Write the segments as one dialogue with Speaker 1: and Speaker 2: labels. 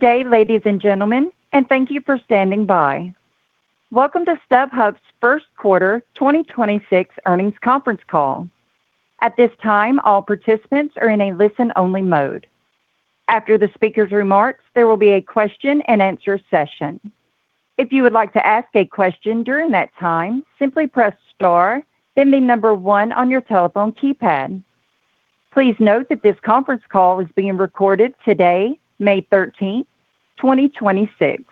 Speaker 1: Good day, ladies and gentlemen, and thank you for standing by. Welcome to StubHub's first quarter 2026 earnings conference call. At this time, all participants are in a listen-only mode. After the speaker's remarks, there will be a question and answer session. If you would like to ask a question during that time, simply press star, then the number one on your telephone keypad. Please note that this conference call is being recorded today, May 13th, 2026.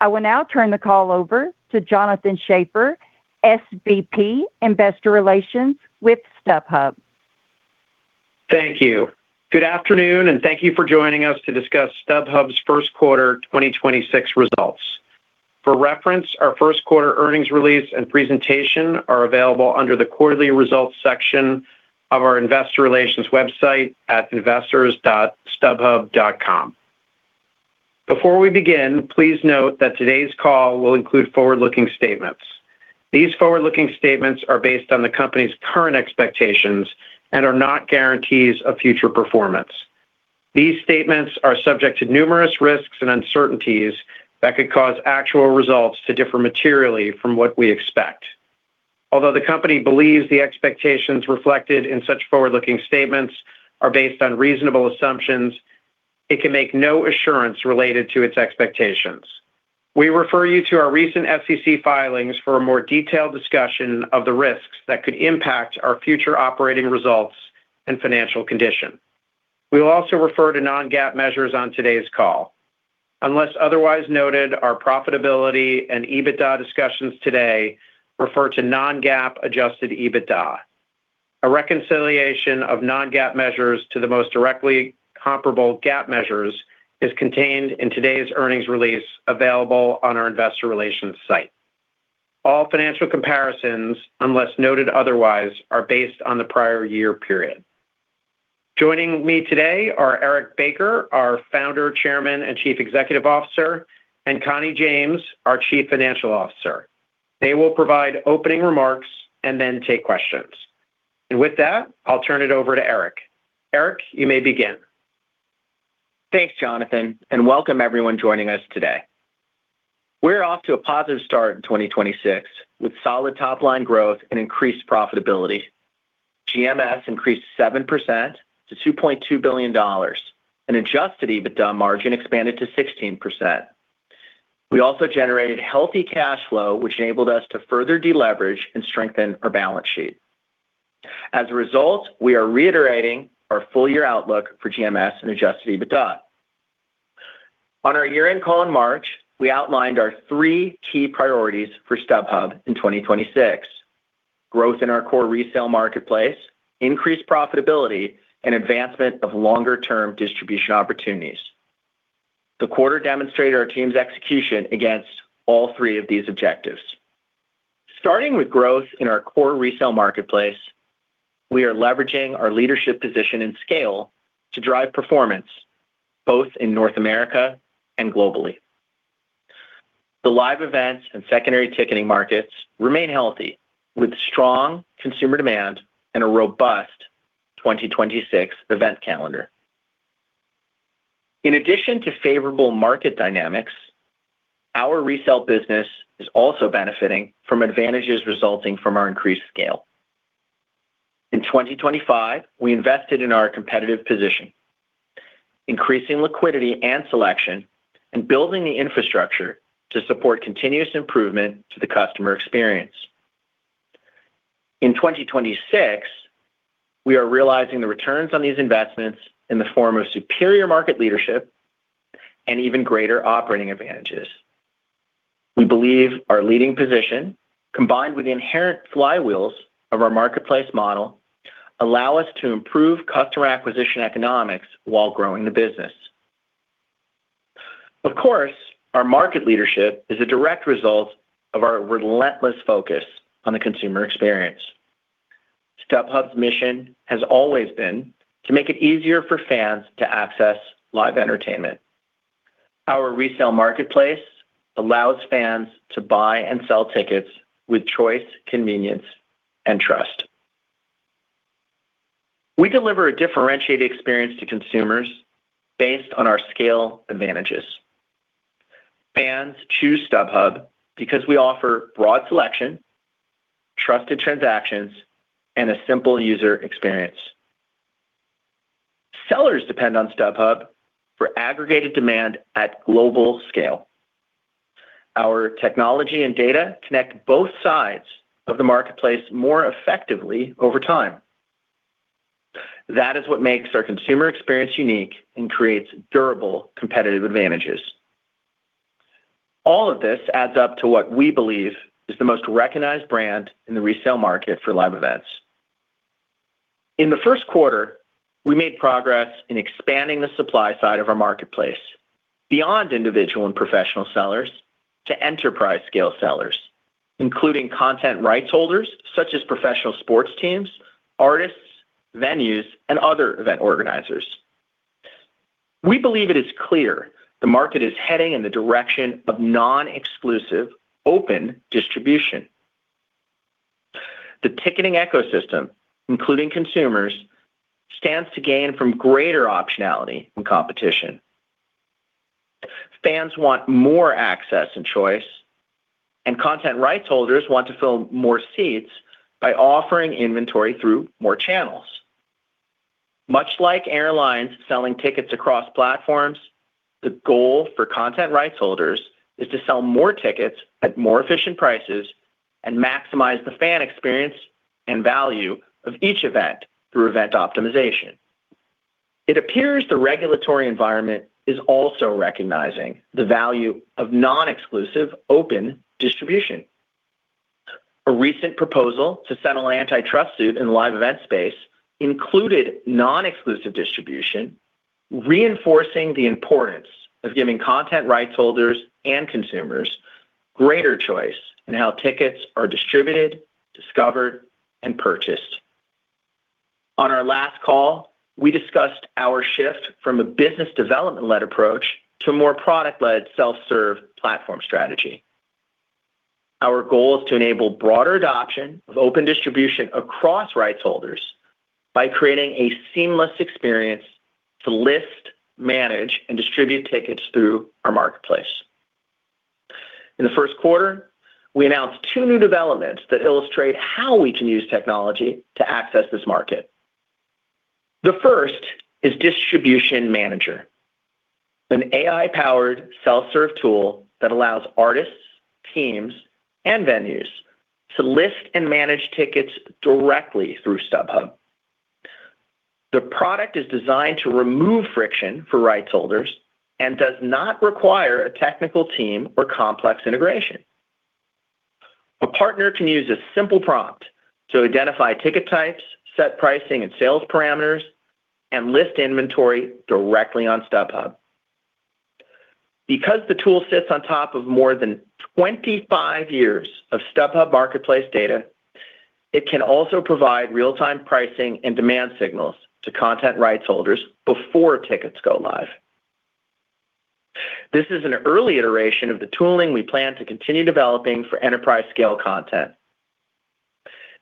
Speaker 1: I will now turn the call over to Jonathan Schaffer, SVP, Investor Relations with StubHub.
Speaker 2: Thank you. Good afternoon, and thank you for joining us to discuss StubHub's first quarter 2026 results. For reference, our first quarter earnings release and presentation are available under the Quarterly Results section of our investor relations website at investors.stubhub.com. Before we begin, please note that today's call will include forward-looking statements. These forward-looking statements are based on the company's current expectations and are not guarantees of future performance. These statements are subject to numerous risks and uncertainties that could cause actual results to differ materially from what we expect. Although the company believes the expectations reflected in such forward-looking statements are based on reasonable assumptions, it can make no assurance related to its expectations. We refer you to our recent SEC filings for a more detailed discussion of the risks that could impact our future operating results and financial condition. We will also refer to non-GAAP measures on today's call. Unless otherwise noted, our profitability and EBITDA discussions today refer to non-GAAP adjusted EBITDA. A reconciliation of non-GAAP measures to the most directly comparable GAAP measures is contained in today's earnings release available on our investor relations site. All financial comparisons, unless noted otherwise, are based on the prior year period. Joining me today are Eric Baker, our Founder, Chairman, and Chief Executive Officer, and Connie James, our Chief Financial Officer. They will provide opening remarks and then take questions. With that, I'll turn it over to Eric. Eric, you may begin.
Speaker 3: Thanks, Jonathan, and welcome everyone joining us today. We're off to a positive start in 2026 with solid top-line growth and increased profitability. GMS increased 7% to $2.2 billion and adjusted EBITDA margin expanded to 16%. We also generated healthy cash flow, which enabled us to further deleverage and strengthen our balance sheet. As a result, we are reiterating our full year outlook for GMS and adjusted EBITDA. On our year-end call in March, we outlined our three key priorities for StubHub in 2026, growth in our core resale marketplace, increased profitability, and advancement of longer term distribution opportunities. The quarter demonstrated our team's execution against all three of these objectives. Starting with growth in our core resale marketplace, we are leveraging our leadership position and scale to drive performance both in North America and globally. The live events and secondary ticketing markets remain healthy with strong consumer demand and a robust 2026 event calendar. In addition to favorable market dynamics, our resale business is also benefiting from advantages resulting from our increased scale. In 2025, we invested in our competitive position, increasing liquidity and selection, and building the infrastructure to support continuous improvement to the customer experience. In 2026, we are realizing the returns on these investments in the form of superior market leadership and even greater operating advantages. We believe our leading position, combined with the inherent flywheels of our marketplace model, allow us to improve customer acquisition economics while growing the business. Of course, our market leadership is a direct result of our relentless focus on the consumer experience. StubHub's mission has always been to make it easier for fans to access live entertainment. Our resale marketplace allows fans to buy and sell tickets with choice, convenience, and trust. We deliver a differentiated experience to consumers based on our scale advantages. Fans choose StubHub because we offer broad selection, trusted transactions, and a simple user experience. Sellers depend on StubHub for aggregated demand at global scale. Our technology and data connect both sides of the marketplace more effectively over time. That is what makes our consumer experience unique and creates durable competitive advantages. All of this adds up to what we believe is the most recognized brand in the resale market for live events. In the first quarter, we made progress in expanding the supply side of our marketplace beyond individual and professional sellers to enterprise scale sellers, including content rights holders such as professional sports teams, artists, venues, and other event organizers. We believe it is clear the market is heading in the direction of non-exclusive Open Distribution. The ticketing ecosystem, including consumers, stands to gain from greater optionality and competition. Fans want more access and choice, and content rights holders want to fill more seats by offering inventory through more channels. Much like airlines selling tickets across platforms, the goal for content rights holders is to sell more tickets at more efficient prices and maximize the fan experience and value of each event through event optimization. It appears the regulatory environment is also recognizing the value of non-exclusive Open Distribution. A recent proposal to settle an antitrust suit in the live event space included non-exclusive Open Distribution, reinforcing the importance of giving content rights holders and consumers greater choice in how tickets are distributed, discovered, and purchased. On our last call, we discussed our shift from a business development-led approach to a more product-led self-serve platform strategy. Our goal is to enable broader adoption of Open Distribution across rights holders by creating a seamless experience to list, manage, and distribute tickets through our marketplace. In the first quarter, we announced two new developments that illustrate how we can use technology to access this market. The first is Distribution Manager, an AI-powered self-serve tool that allows artists, teams, and venues to list and manage tickets directly through StubHub. The product is designed to remove friction for rights holders and does not require a technical team or complex integration. A partner can use a simple prompt to identify ticket types, set pricing and sales parameters, and list inventory directly on StubHub. Because the tool sits on top of more than 25 years of StubHub marketplace data, it can also provide real-time pricing and demand signals to content rights holders before tickets go live. This is an early iteration of the tooling we plan to continue developing for enterprise-scale content.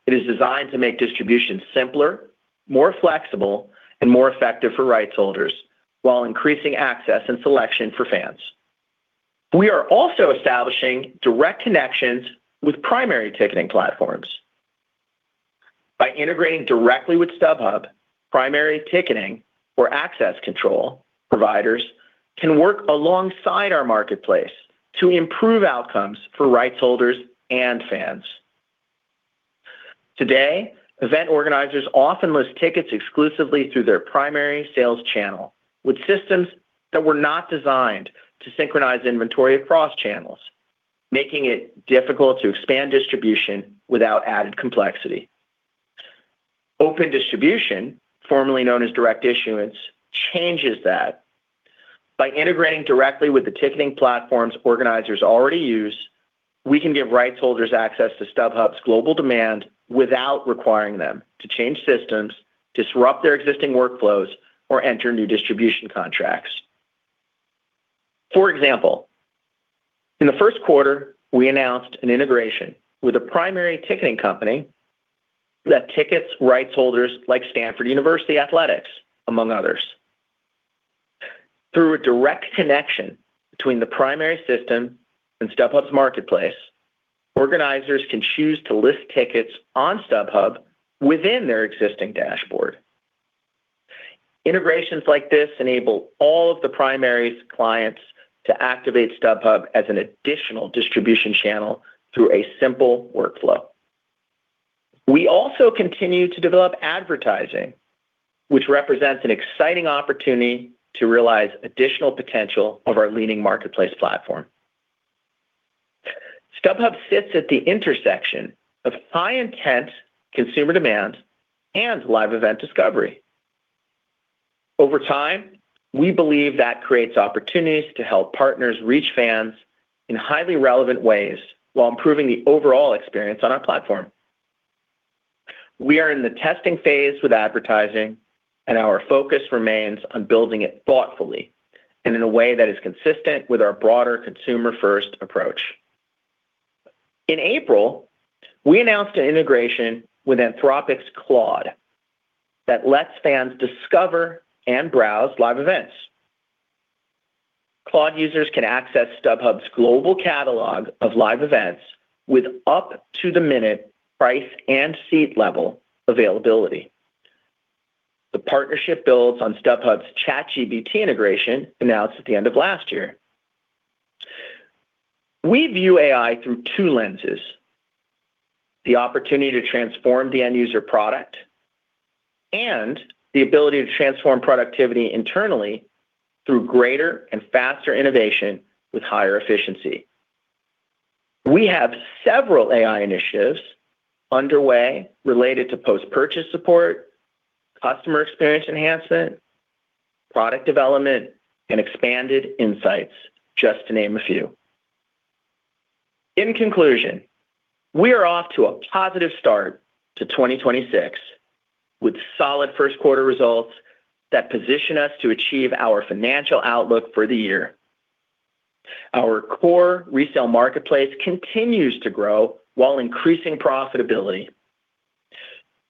Speaker 3: It is designed to make distribution simpler, more flexible, and more effective for rights holders while increasing access and selection for fans. We are also establishing direct connections with primary ticketing platforms. By integrating directly with StubHub, primary ticketing or access control providers can work alongside our marketplace to improve outcomes for rights holders and fans. Today, event organizers often list tickets exclusively through their primary sales channel with systems that were not designed to synchronize inventory across channels, making it difficult to expand distribution without added complexity. Open Distribution, formerly known as Direct Issuance, changes that. By integrating directly with the ticketing platforms organizers already use, we can give rights holders access to StubHub's global demand without requiring them to change systems, disrupt their existing workflows, or enter new distribution contracts. For example, in the first quarter, we announced an integration with a primary ticketing company that tickets rights holders like Stanford University Athletics, among others. Through a direct connection between the primary system and StubHub's marketplace, organizers can choose to list tickets on StubHub within their existing dashboard. Integrations like this enable all of the primary's clients to activate StubHub as an additional distribution channel through a simple workflow. We also continue to develop advertising, which represents an exciting opportunity to realize additional potential of our leading marketplace platform. StubHub sits at the intersection of high intent consumer demand and live event discovery. Over time, we believe that creates opportunities to help partners reach fans in highly relevant ways while improving the overall experience on our platform. We are in the testing phase with advertising, and our focus remains on building it thoughtfully and in a way that is consistent with our broader consumer-first approach. In April, we announced an integration with Anthropic's Claude that lets fans discover and browse live events. Claude users can access StubHub's global catalog of live events with up-to-the-minute price and seat level availability. The partnership builds on StubHub's ChatGPT integration announced at the end of last year. We view AI through two lenses: the opportunity to transform the end user product and the ability to transform productivity internally through greater and faster innovation with higher efficiency. We have several AI initiatives underway related to post-purchase support, customer experience enhancement, product development, and expanded insights, just to name a few. In conclusion, we are off to a positive start to 2026 with solid first quarter results that position us to achieve our financial outlook for the year. Our core resale marketplace continues to grow while increasing profitability.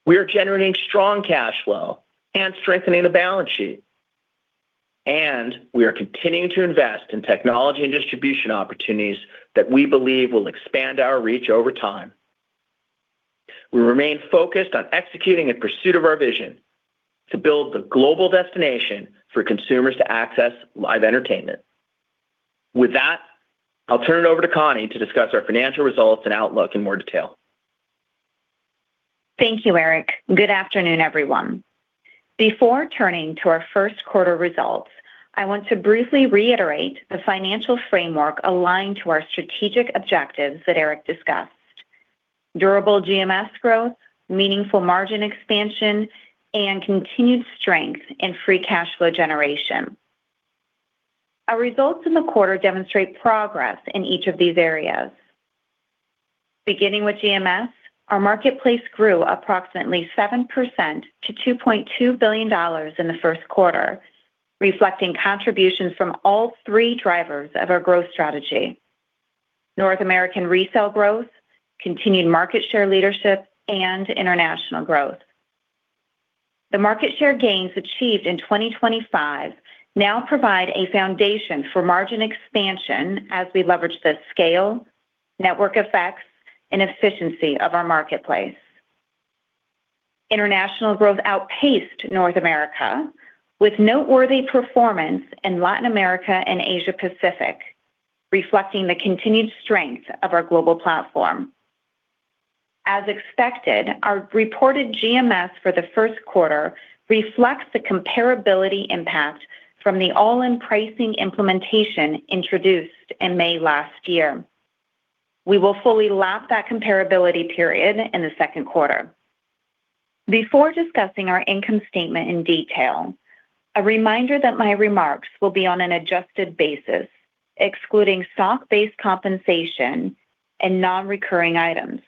Speaker 3: We are generating strong cash flow and strengthening the balance sheet. We are continuing to invest in technology and distribution opportunities that we believe will expand our reach over time. We remain focused on executing in pursuit of our vision to build the global destination for consumers to access live entertainment. With that, I'll turn it over to Connie to discuss our financial results and outlook in more detail.
Speaker 4: Thank you, Eric. Good afternoon, everyone. Before turning to our first quarter results, I want to briefly reiterate the financial framework aligned to our strategic objectives that Eric discussed. Durable GMS growth, meaningful margin expansion, and continued strength in free cash flow generation. Our results in the quarter demonstrate progress in each of these areas. Beginning with GMS, our marketplace grew approximately 7% to $2.2 billion in the first quarter, reflecting contributions from all three drivers of our growth strategy: North American resale growth, continued market share leadership, and international growth. The market share gains achieved in 2025 now provide a foundation for margin expansion as we leverage the scale, network effects, and efficiency of our marketplace. International growth outpaced North America with noteworthy performance in Latin America and Asia Pacific, reflecting the continued strength of our global platform. As expected, our reported GMS for the first quarter reflects the comparability impact from the all-in pricing implementation introduced in May last year. We will fully lap that comparability period in the second quarter. Before discussing our income statement in detail, a reminder that my remarks will be on an adjusted basis, excluding stock-based compensation and non-recurring items.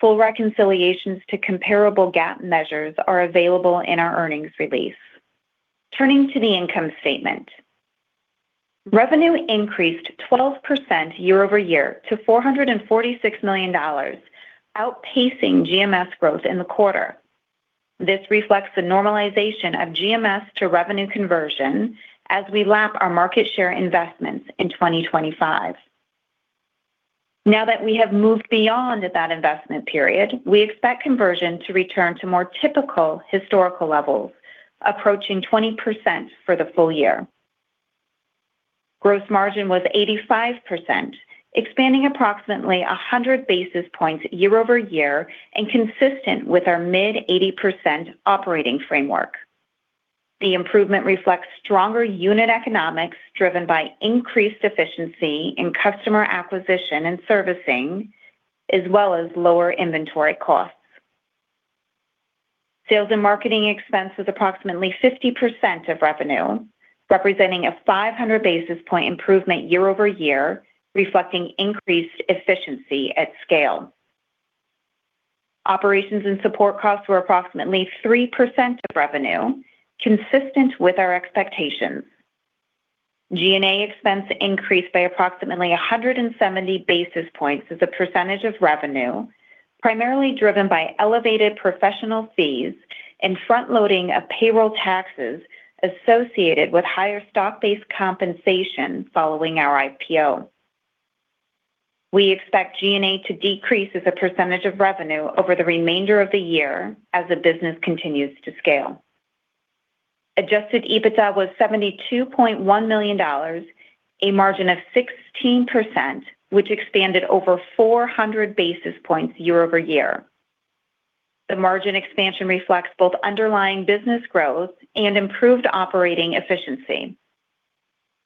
Speaker 4: Full reconciliations to comparable GAAP measures are available in our earnings release. Turning to the income statement. Revenue increased 12% year-over-year to $446 million, outpacing GMS growth in the quarter. This reflects the normalization of GMS to revenue conversion as we lap our market share investments in 2025. Now that we have moved beyond that investment period, we expect conversion to return to more typical historical levels, approaching 20% for the full year. Gross margin was 85%, expanding approximately 100 basis points year-over-year and consistent with our mid-80% operating framework. The improvement reflects stronger unit economics driven by increased efficiency in customer acquisition and servicing, as well as lower inventory costs. Sales and marketing expense was approximately 50% of revenue, representing a 500 basis point improvement year-over-year, reflecting increased efficiency at scale. Operations and support costs were approximately 3% of revenue, consistent with our expectations. G&A expense increased by approximately 170 basis points as a percentage of revenue, primarily driven by elevated professional fees and front-loading of payroll taxes associated with higher stock-based compensation following our IPO. We expect G&A to decrease as a percentage of revenue over the remainder of the year as the business continues to scale. Adjusted EBITDA was $72.1 million, a margin of 16%, which expanded over 400 basis points year-over-year. The margin expansion reflects both underlying business growth and improved operating efficiency.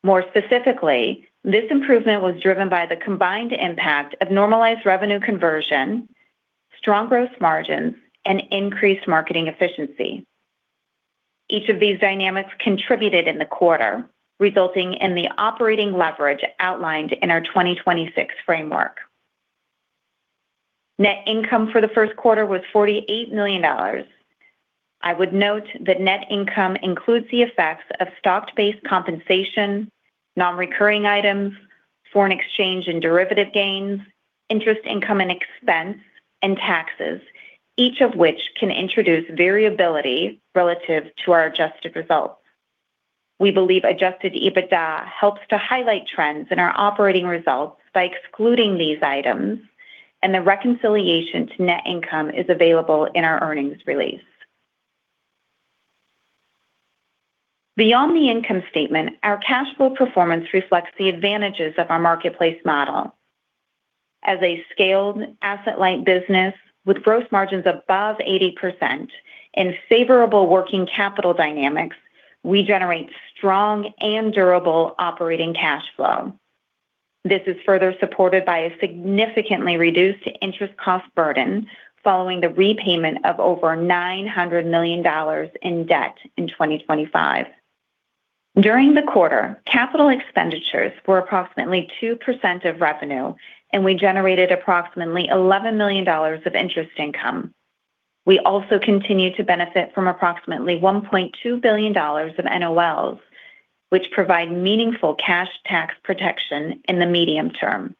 Speaker 4: More specifically, this improvement was driven by the combined impact of normalized revenue conversion, strong gross margins, and increased marketing efficiency. Each of these dynamics contributed in the quarter, resulting in the operating leverage outlined in our 2026 framework. Net income for the first quarter was $48 million. I would note that net income includes the effects of stock-based compensation, non-recurring items, foreign exchange and derivative gains, interest income and expense, and taxes, each of which can introduce variability relative to our adjusted results. We believe adjusted EBITDA helps to highlight trends in our operating results by excluding these items, and the reconciliation to net income is available in our earnings release. Beyond the income statement, our cash flow performance reflects the advantages of our marketplace model. As a scaled asset-light business with gross margins above 80% and favorable working capital dynamics, we generate strong and durable operating cash flow. This is further supported by a significantly reduced interest cost burden following the repayment of over $900 million in debt in 2025. During the quarter, capital expenditures were approximately 2% of revenue, and we generated approximately $11 million of interest income. We also continue to benefit from approximately $1.2 billion of NOLs, which provide meaningful cash tax protection in the medium term.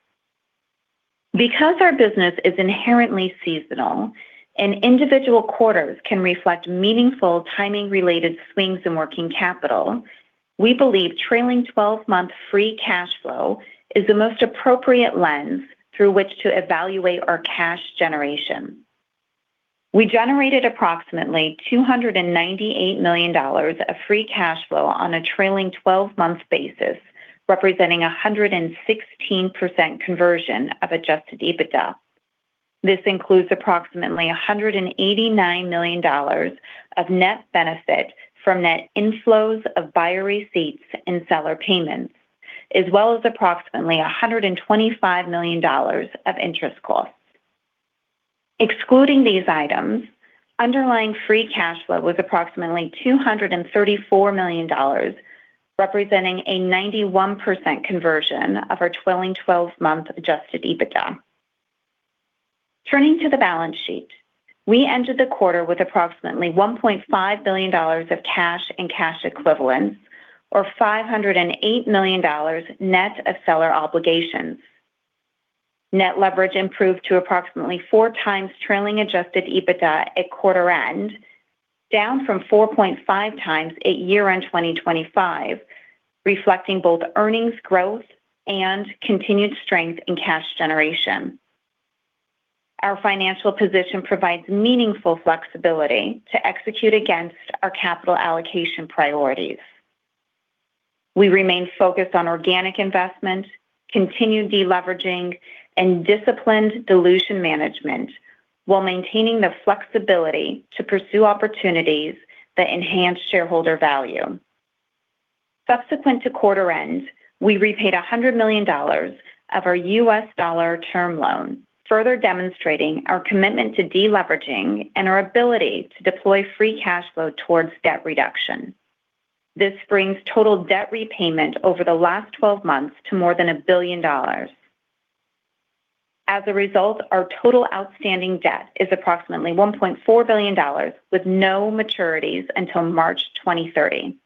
Speaker 4: Because our business is inherently seasonal and individual quarters can reflect meaningful timing-related swings in working capital, we believe trailing 12-month free cash flow is the most appropriate lens through which to evaluate our cash generation. We generated approximately $298 million of free cash flow on a trailing twelve-month basis, representing 116% conversion of adjusted EBITDA. This includes approximately $189 million of net benefit from net inflows of buyer receipts and seller payments, as well as approximately $125 million of interest costs. Excluding these items, underlying free cash flow was approximately $234 million, representing 91% conversion of our trailing 12-month adjusted EBITDA. Turning to the balance sheet, we ended the quarter with approximately $1.5 billion of cash and cash equivalents or $508 million net of seller obligations. Net leverage improved to approximately 4x trailing adjusted EBITDA at quarter end, down from 4.5x at year-end 2025, reflecting both earnings growth and continued strength in cash generation. Our financial position provides meaningful flexibility to execute against our capital allocation priorities. We remain focused on organic investment, continued deleveraging, and disciplined dilution management while maintaining the flexibility to pursue opportunities that enhance shareholder value. Subsequent to quarter end, we repaid $100 million of our U.S. dollar term loan, further demonstrating our commitment to deleveraging and our ability to deploy free cash flow towards debt reduction. This brings total debt repayment over the last 12 months to more than $1 billion. As a result, our total outstanding debt is approximately $1.4 billion with no maturities until March 2030.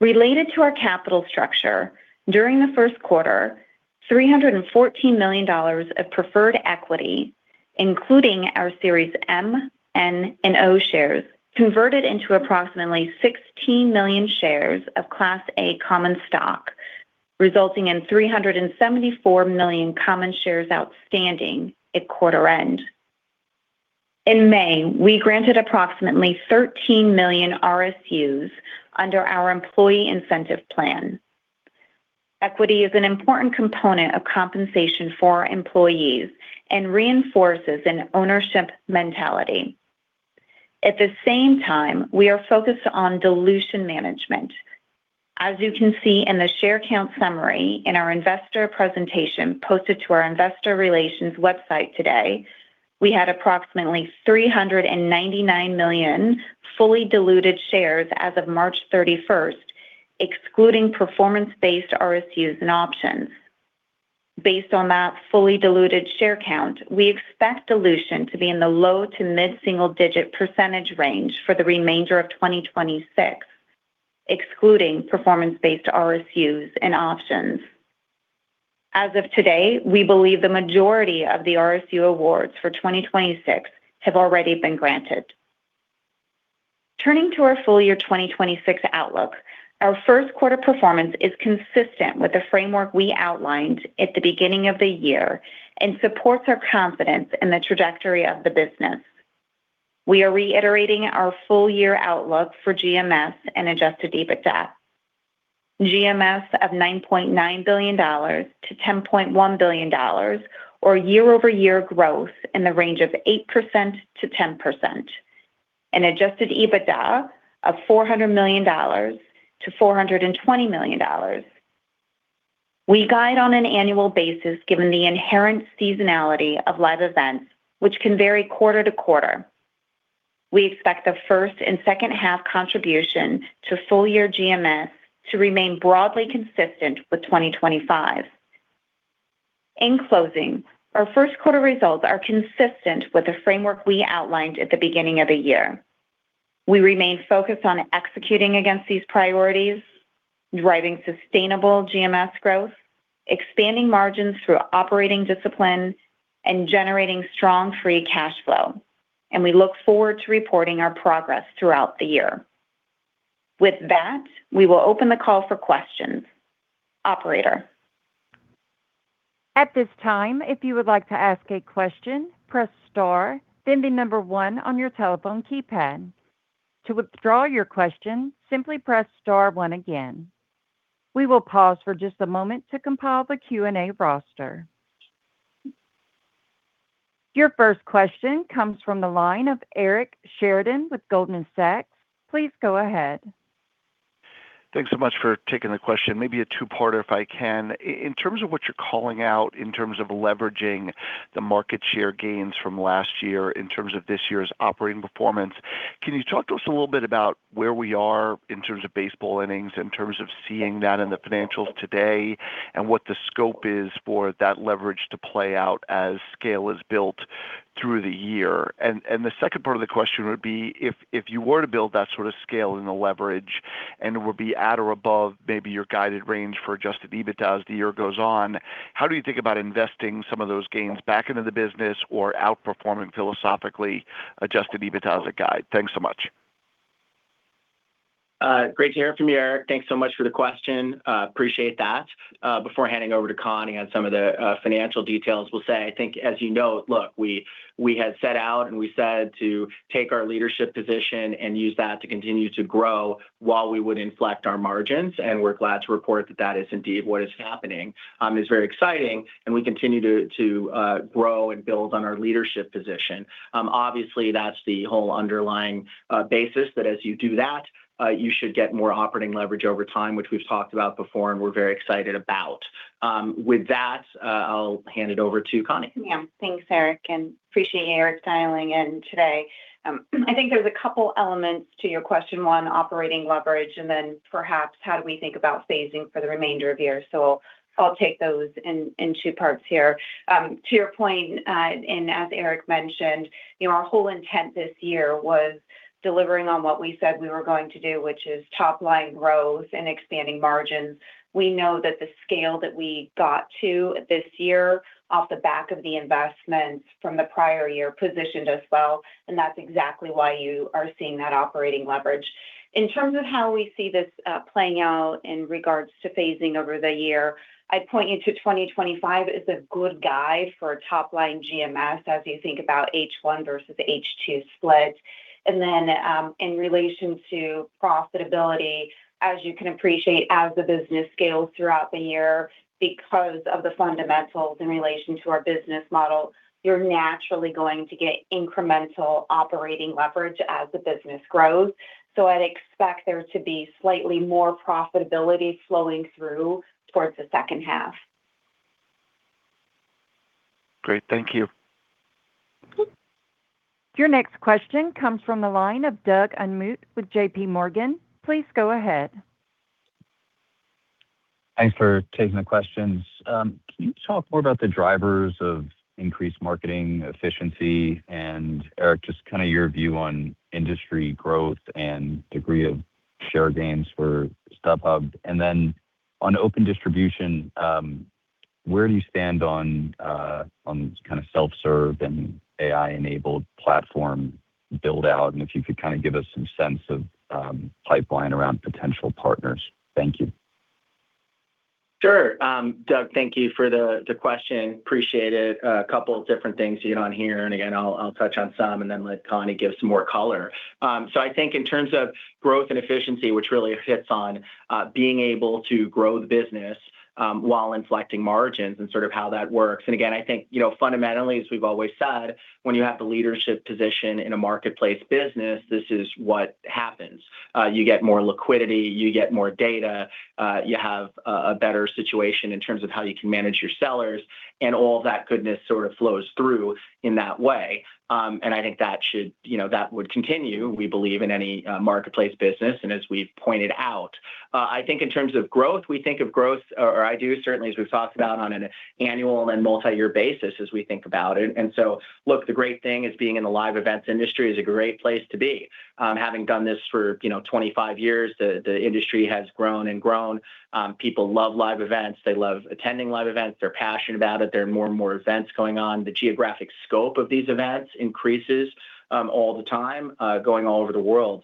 Speaker 4: Related to our capital structure, during the first quarter, $314 million of preferred equity, including our Series M, N, and O shares, converted into approximately 16 million shares of Class A common stock, resulting in 374 million common shares outstanding at quarter end. In May, we granted approximately 13 million RSUs under our employee incentive plan. Equity is an important component of compensation for our employees and reinforces an ownership mentality. At the same time, we are focused on dilution management. As you can see in the share count summary in our investor presentation posted to our investor relations website today, we had approximately 399 million fully diluted shares as of March 31st, excluding performance-based RSUs and options. Based on that fully diluted share count, we expect dilution to be in the low to mid-single-digit percentage range for the remainder of 2026, excluding performance-based RSUs and options. As of today, we believe the majority of the RSU awards for 2026 have already been granted. Turning to our full-year 2026 outlook, our first quarter performance is consistent with the framework we outlined at the beginning of the year and supports our confidence in the trajectory of the business. We are reiterating our full-year outlook for GMS and adjusted EBITDA. GMS of $9.9 billion-$10.1 billion or year-over-year growth in the range of 8%-10% and adjusted EBITDA of $400 million-$420 million. We guide on an annual basis given the inherent seasonality of live events, which can vary quarter to quarter. We expect the first and second half contribution to full-year GMS to remain broadly consistent with 2025. In closing, our first quarter results are consistent with the framework we outlined at the beginning of the year. We remain focused on executing against these priorities, driving sustainable GMS growth, expanding margins through operating discipline, and generating strong free cash flow, and we look forward to reporting our progress throughout the year. With that, we will open the call for questions. Operator.
Speaker 1: At this time, if you would like to ask a question, press star, then the number one on your telephone keypad. To withdraw your question, simply press star one again. We will pause for just a moment to compile the Q&A roster. Your first question comes from the line of Eric Sheridan with Goldman Sachs. Please go ahead.
Speaker 5: Thanks so much for taking the question. Maybe a two-parter if I can. In terms of what you're calling out in terms of leveraging the market share gains from last year in terms of this year's operating performance. Can you talk to us a little bit about where we are in terms of baseball innings, in terms of seeing that in the financials today and what the scope is for that leverage to play out as scale is built through the year? The second part of the question would be if you were to build that sort of scale in the leverage, and it would be at or above maybe your guided range for adjusted EBITDA as the year goes on, how do you think about investing some of those gains back into the business or outperforming philosophically adjusted EBITDA as a guide? Thanks so much.
Speaker 3: Great to hear from you, Eric. Thanks so much for the question. Appreciate that. Before handing over to Connie on some of the financial details, will say, I think, as you know, look, we had set out and we said to take our leadership position and use that to continue to grow while we would inflect our margins, and we're glad to report that that is indeed what is happening. It's very exciting, and we continue to grow and build on our leadership position. Obviously, that's the whole underlying basis that as you do that, you should get more operating leverage over time, which we've talked about before and we're very excited about. With that, I'll hand it over to Connie.
Speaker 4: Thanks, Eric, and appreciate you, Eric, dialing in today. I think there's a couple elements to your question, one, operating leverage, and then perhaps how do we think about phasing for the remainder of the year. I'll take those in two parts here. To your point, and as Eric mentioned, you know, our whole intent this year was delivering on what we said we were going to do, which is top-line growth and expanding margins. We know that the scale that we got to this year off the back of the investments from the prior year positioned us well, and that's exactly why you are seeing that operating leverage. In terms of how we see this playing out in regards to phasing over the year, I'd point you to 2025 as a good guide for top line GMS as you think about H1 versus H2 split. In relation to profitability, as you can appreciate, as the business scales throughout the year because of the fundamentals in relation to our business model, you're naturally going to get incremental operating leverage as the business grows. I'd expect there to be slightly more profitability flowing through towards the second half.
Speaker 5: Great. Thank you.
Speaker 1: Your next question comes from the line of Doug Anmuth with JPMorgan. Please go ahead.
Speaker 6: Thanks for taking the questions. Can you talk more about the drivers of increased marketing efficiency and, Eric, just kinda your view on industry growth and degree of share gains for StubHub? On Open Distribution, where do you stand on kind of self-serve and AI-enabled platform build-out? If you could kinda give us some sense of pipeline around potential partners. Thank you.
Speaker 3: Sure. Doug, thank you for the question. Appreciate it. A couple of different things to hit on here. Again, I'll touch on some and then let Connie give some more color. I think in terms of growth and efficiency, which really hits on being able to grow the business while inflecting margins and sort of how that works. Again, I think, you know, fundamentally, as we've always said, when you have the leadership position in a marketplace business, this is what happens. You get more liquidity, you get more data, you have a better situation in terms of how you can manage your sellers. All that goodness sort of flows through in that way. I think that should, you know, that would continue, we believe, in any marketplace business and as we've pointed out. I think in terms of growth, we think of growth, or I do certainly as we've talked about on an annual and multi-year basis as we think about it. Look, the great thing is being in the live events industry is a great place to be. Having done this for, you know, 25 years, the industry has grown and grown. People love live events. They love attending live events. They're passionate about it. There are more and more events going on. The geographic scope of these events increases all the time, going all over the world.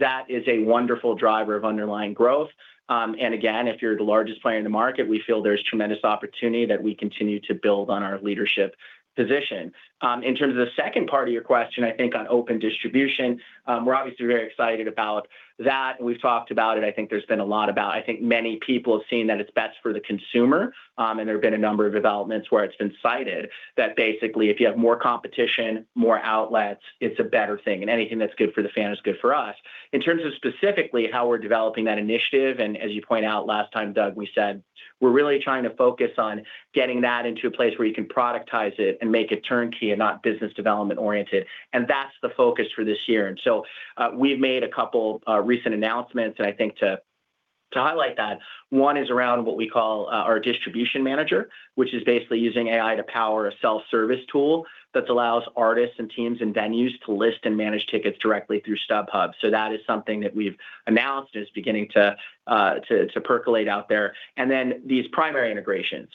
Speaker 3: That is a wonderful driver of underlying growth. Again, if you're the largest player in the market, we feel there's tremendous opportunity that we continue to build on our leadership position. In terms of the second part of your question, I think on Open Distribution, we're obviously very excited about that. We've talked about it. I think there's been a lot about I think many people have seen that it's best for the consumer. There have been a number of developments where it's been cited that basically, if you have more competition, more outlets, it's a better thing. Anything that's good for the fan is good for us. In terms of specifically how we're developing that initiative. As you point out, last time, Doug, we said we're really trying to focus on getting that into a place where you can productize it and make it turnkey and not business development oriented. That's the focus for this year. We've made a couple recent announcements, and I think to highlight that, one is around what we call our StubHub Distribution Manager, which is basically using AI to power a self-service tool that allows artists and teams and venues to list and manage tickets directly through StubHub. That is something that we've announced, and it's beginning to percolate out there. These primary integrations.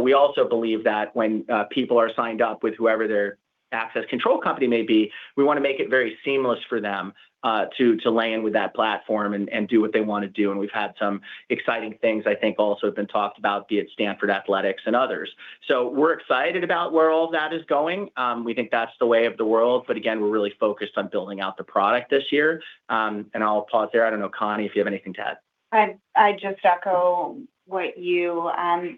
Speaker 3: We also believe that when people are signed up with whoever their access control company may be, we wanna make it very seamless for them to land with that platform and do what they wanna do. We've had some exciting things, I think, also have been talked about, be it Stanford University Athletics and others. We're excited about where all that is going. We think that's the way of the world, but again, we're really focused on building out the product this year. I'll pause there. I don't know, Connie, if you have anything to add.
Speaker 4: I just echo what you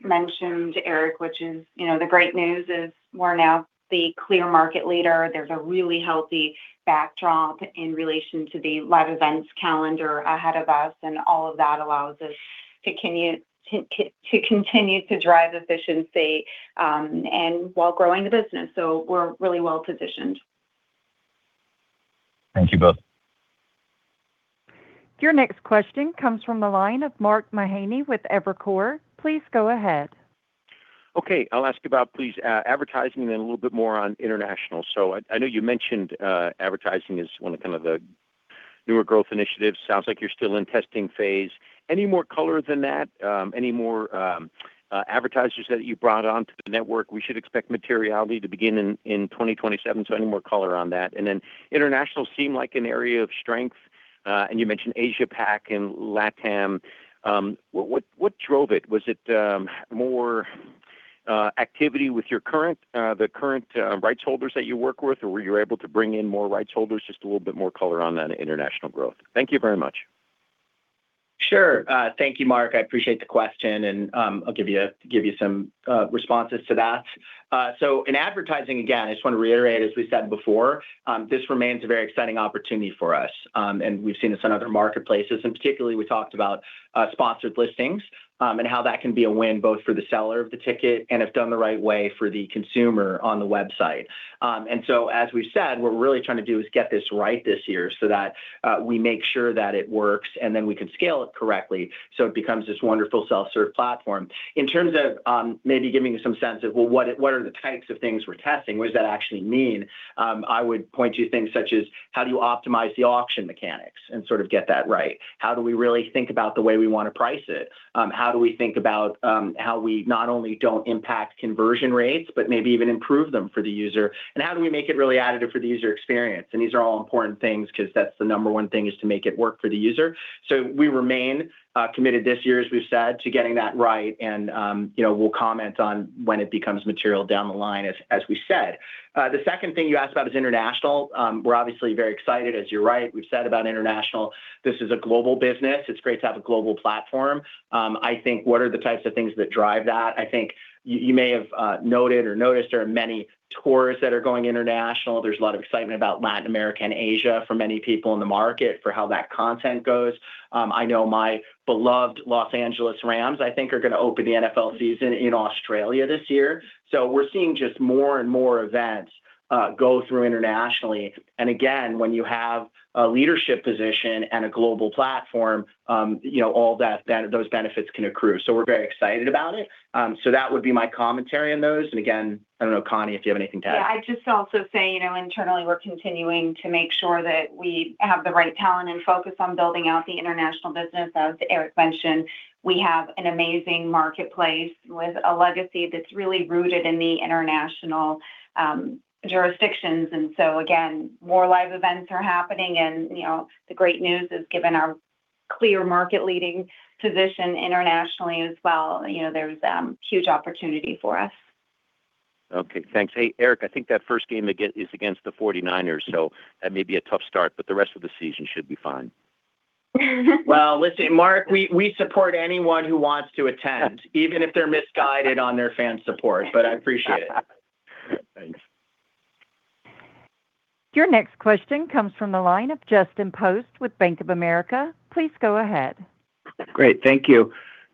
Speaker 4: mentioned, Eric, which is, you know, the great news is we're now the clear market leader. There's a really healthy backdrop in relation to the live events calendar ahead of us. All of that allows us to continue to drive efficiency and while growing the business. We're really well-positioned.
Speaker 6: Thank you both.
Speaker 1: Your next question comes from the line of Mark Mahaney with Evercore. Please go ahead.
Speaker 7: Okay. I'll ask about, please, advertising and then a little bit more on international. I know you mentioned advertising as one of the newer growth initiatives. Sounds like you're still in testing phase. Any more color than that? Any more advertisers that you brought onto the network we should expect materiality to begin in 2027? Any more color on that. International seemed like an area of strength, and you mentioned Asia Pac and LATAM. What drove it? Was it more activity with your current rights holders that you work with, or were you able to bring in more rights holders? Just a little bit more color on that international growth. Thank you very much.
Speaker 3: Sure. Thank you, Mark. I appreciate the question and I'll give you some responses to that. In advertising, again, I just wanna reiterate, as we said before, this remains a very exciting opportunity for us. We've seen this in other marketplaces, particularly we talked about sponsored listings, how that can be a win both for the seller of the ticket and if done the right way for the consumer on the website. As we've said, what we're really trying to do is get this right this year so that we make sure that it works, we can scale it correctly so it becomes this wonderful self-serve platform. In terms of, maybe giving some sense of, what are, what are the types of things we're testing, what does that actually mean, I would point to things such as how do you optimize the auction mechanics and sort of get that right? How do we really think about the way we wanna price it? How do we think about how we not only don't impact conversion rates, but maybe even improve them for the user? How do we make it really additive for the user experience? These are all important things 'cause that's the number one thing is to make it work for the user. We remain committed this year, as we've said, to getting that right and, you know, we'll comment on when it becomes material down the line as we said. The second thing you asked about is international. We're obviously very excited as you're right, we've said about international, this is a global business. It's great to have a global platform. I think what are the types of things that drive that? I think you may have noted or noticed there are many tours that are going international. There's a lot of excitement about Latin America and Asia for many people in the market for how that content goes. I know my beloved Los Angeles Rams, I think are gonna open the NFL season in Australia this year. We're seeing just more and more events go through internationally. Again, when you have a leadership position and a global platform, you know, all that, those benefits can accrue. We're very excited about it. That would be my commentary on those. Again, I don't know, Connie, if you have anything to add.
Speaker 4: Yeah, I'd just also say, you know, internally, we're continuing to make sure that we have the right talent and focus on building out the international business. As Eric mentioned, we have an amazing marketplace with a legacy that's really rooted in the international jurisdictions. Again, more live events are happening and, you know, the great news is, given our clear market leading position internationally as well, you know, there's huge opportunity for us.
Speaker 7: Okay, thanks. Hey, Eric, I think that first game is against the 49ers. That may be a tough start, but the rest of the season should be fine.
Speaker 3: Listen, Mark, we support anyone who wants to attend, even if they're misguided on their fan support, but I appreciate it.
Speaker 7: Thanks.
Speaker 1: Your next question comes from the line of Justin Post with Bank of America. Please go ahead.
Speaker 8: Great, thank you.